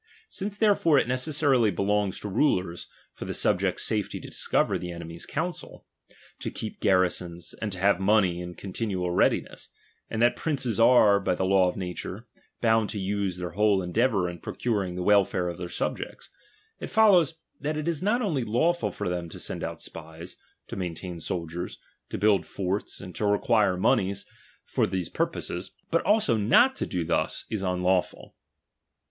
Since therefore it necessarily belongs to rulers, for the subjects' safety to discover the enemy's counsel, to keep garrisons, and to have money in continual readiness ; and that princes are, by the law of nature, bound to use their whole endeavour in procuring the welfare of their sub jects : it follows, that it is not only lawful for them to send out spies, to mtiintain soldiers, to build forts, and to require monies for these purposes ; but also not to do thus is unlawful.